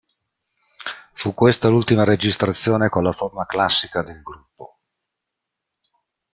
Fu questa l'ultima registrazione con la formazione "classica" del gruppo.